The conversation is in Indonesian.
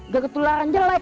gak ketularan jelek